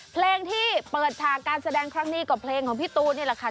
เพลงที่เปิดฉากการแสดงครั้งนี้ก็เพลงของพี่ตูนนี่แหละค่ะ